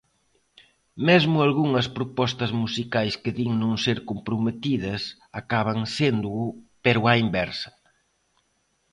Mesmo algunhas propostas musicais que din non ser comprometidas acaban séndoo, pero á inversa.